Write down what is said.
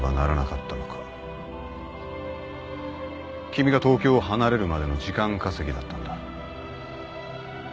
君が東京を離れるまでの時間稼ぎだったんだ。